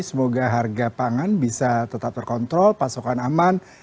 semoga harga pangan bisa tetap terkontrol pasokan aman